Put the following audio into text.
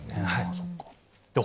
そっか。